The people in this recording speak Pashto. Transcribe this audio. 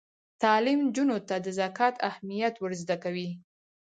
تعلیم نجونو ته د زکات اهمیت ور زده کوي.